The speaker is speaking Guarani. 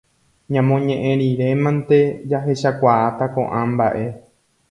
Ñamoñe'ẽ rirémante jahechakuaáta ko'ã mba'e